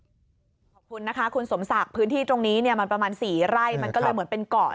ขอบคุณนะคะคุณสมศักดิ์พื้นที่ตรงนี้เนี่ยมันประมาณ๔ไร่มันก็เลยเหมือนเป็นเกาะ